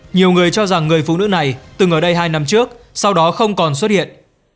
nhiều người cho rằng người phụ nữ này từng ở đây hai năm trước sau đó không còn xuất hiện